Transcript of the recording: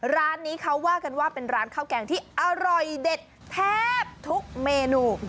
ร้านนี้เขาว่ากันว่าเป็นร้านข้าวแกงที่อร่อยเด็ดแทบทุกเมนู